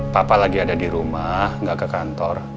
papa lagi ada dirumah gak ke kantor